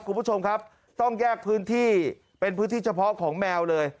คุณผู้ชมครับต้องแยกพื้นที่เป็นพื้นที่เฉพาะของแมวเลย